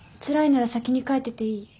つらいなら先に帰ってていい。